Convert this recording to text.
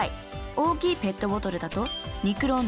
大きいペットボトルだと２クローナ。